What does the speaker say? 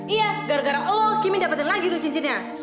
iya gara gara oh kimi dapetin lagi tuh cincinnya